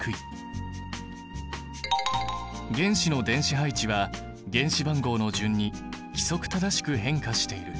原子の電子配置は原子番号の順に規則正しく変化している。